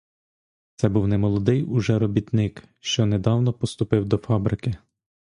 Це був немолодий уже робітник, що недавно поступив до фабрики.